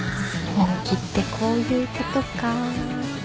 本気ってこういうことか。